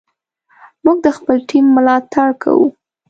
موږ د خپل ټیم ملاتړ کوو.